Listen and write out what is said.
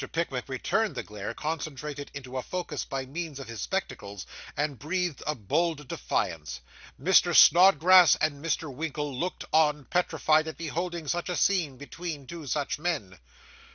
Pickwick returned the glare, concentrated into a focus by means of his spectacles, and breathed a bold defiance. Mr. Snodgrass and Mr. Winkle looked on, petrified at beholding such a scene between two such men.